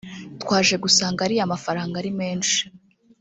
“Twaje gusanga ariya mafaranga ari menshi